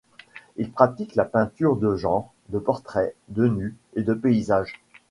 Il pratique la peinture de genre, de portrait, de nu et de paysage.